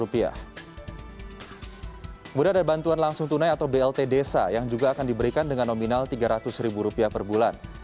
kemudian ada bantuan langsung tunai atau blt desa yang juga akan diberikan dengan nominal rp tiga ratus ribu rupiah per bulan